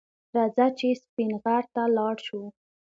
رځه چې سپین غر ته لاړ شو